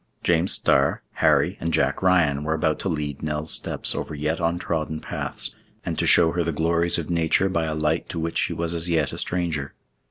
James Starr, Harry, and Jack Ryan were about to lead Nell's steps over yet untrodden paths, and to show her the glories of nature by a light to which she was as yet a stranger.